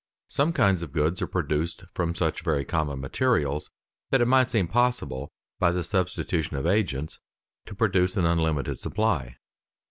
Some kinds of goods are produced from such very common materials that it might seem possible, by the substitution of agents, to produce an unlimited supply.